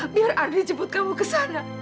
biar ardi jemput kamu ke sana